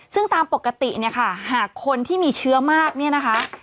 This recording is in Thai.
ซึ่งตามปกติเนี่ยค่ะหากคนที่มีเชื้อมากเนี่ยนะคะ